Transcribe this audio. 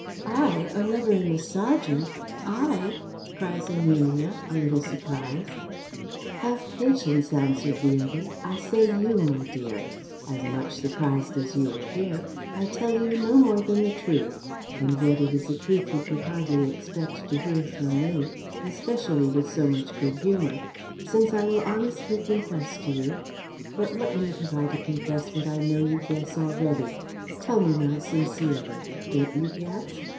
"I a lover in the serjeant! I!" cries Amelia, a little surprized. "Have patience," answered the other; "I say, you, my dear. As much surprized as you appear, I tell you no more than the truth; and yet it is a truth you could hardly expect to hear from me, especially with so much good humour; since I will honestly confess to you. But what need have I to confess what I know you guess already? Tell me now sincerely, don't you guess?"